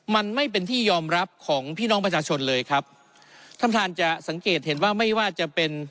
มันไม่เป็นที่ยอมรับของพี่น้องประชาชนเลยครับท่านท่านจะสังเกตเห็นว่าไม่ว่าจะเป็น